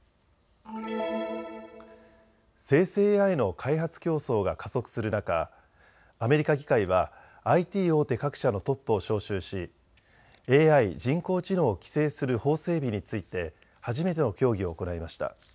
生成ＡＩの開発競争が加速する中、アメリカ議会はＩＴ大手各社のトップを招集しＡＩ・人工知能を規制する法整備について初めての協議を行いました。